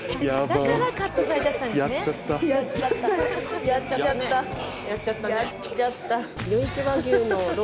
やっちゃった。